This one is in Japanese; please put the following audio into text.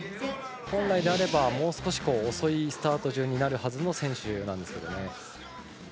本来であればもう少し遅いスタート順になるはずの選手なんですけどね。